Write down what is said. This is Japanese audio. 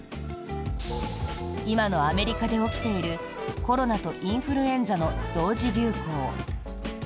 今のアメリカで起きているコロナとインフルエンザの同時流行。